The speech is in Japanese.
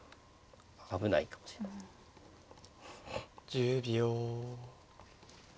１０秒。